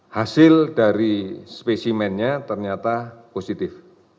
hasil dari spesimennya ternyata positif